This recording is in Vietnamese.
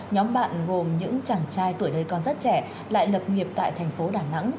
nhóm bạn gồm những chàng trai tuổi đời còn rất trẻ lại lập nghiệp tại thành phố đà nẵng